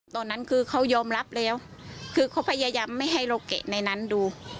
ตอนนั้นคือเขายอมรับแล้วคือเขาพยายามไม่ให้โลเกะในนั้นดู